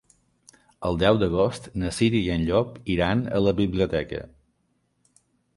El deu d'agost na Cira i en Llop iran a la biblioteca.